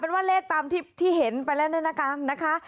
เป็นว่าเลขตามที่เห็นไปแล้วในหน้าการนะคะ